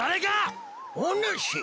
おぬし。